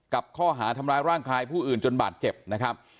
กับข้อหาทำร้ายร่างกายผู้อื่นจนบาดเจ็บนะครับ